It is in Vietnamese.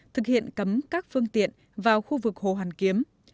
thực hiện cấm các phương tiện vào khu vực hồ hoàn kiếm